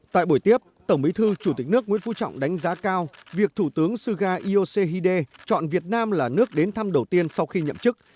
tại buổi tiếp tổng bí thư chủ tịch nước nguyễn phú trọng đánh giá cao việc thủ tướng suga iosehide chọn việt nam là nước đến thăm đầu tiên sau khi nhậm chức